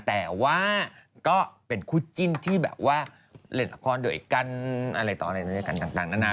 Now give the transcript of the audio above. แต่ว่าก็เป็นคู่จิ้นที่แบบว่าเล่นละครด้วยกันอะไรต่ออะไรด้วยกันต่างนานา